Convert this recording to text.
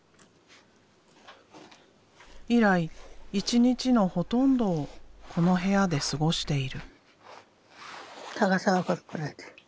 以来一日のほとんどをこの部屋で過ごしている。